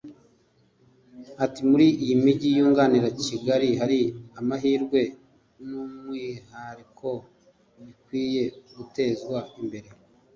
Ati “Muri iriya mijyi yunganira Kigali hari amahirwe n’umwihariko bikwiye gutezwa imbere